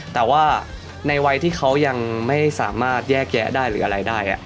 แต่ว่าในวัยที่เขายังไม่สามารถแยกแยะได้หรืออะไรได้